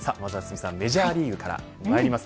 メジャーリーグからまいります。